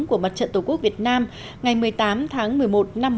của mặt trận tổ quốc việt nam ngày một mươi tám tháng một mươi một năm một nghìn chín trăm bốn